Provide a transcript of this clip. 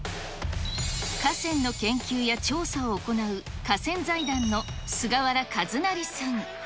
河川の研究や調査を行う河川財団の菅原一成さん。